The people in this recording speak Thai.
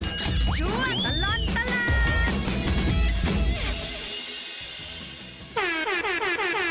ช่วงตลอดตลาด